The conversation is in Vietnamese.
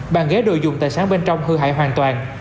bàn ghế đồ dùng tài sáng bên trong hư hại hoàn toàn